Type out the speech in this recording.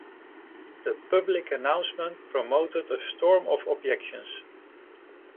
The public announcement prompted a storm of objections.